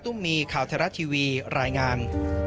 ตุ้มมีข่าวแทรศทีวีรายงาน